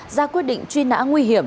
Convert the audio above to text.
ra quyết định truy nã nguy hiểm